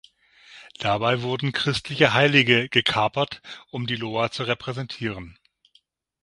Dabei wurden christliche Heilige „gekapert“, um die Loa zu repräsentieren.